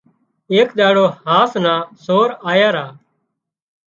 ايڪ ۮاڙو هاس نا سور آيا را